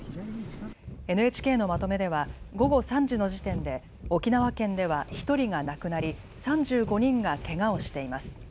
ＮＨＫのまとめでは午後３時の時点で沖縄県では１人が亡くなり、３５人がけがをしています。